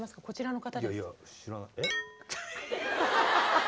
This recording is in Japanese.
こちらの方です。